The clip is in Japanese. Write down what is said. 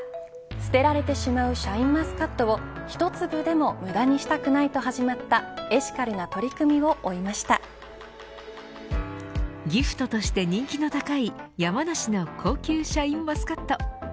捨てられてしまうシャインマスカットを一粒でも無駄にしたくないと始まったエシカルな取り組みをギフトとして人気の高い山梨の高級シャインマスカット。